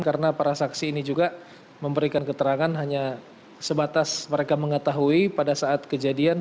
karena para saksi ini juga memberikan keterangan hanya sebatas mereka mengetahui pada saat kejadian